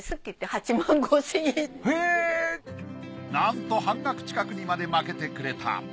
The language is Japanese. なんと半額近くにまでまけてくれた。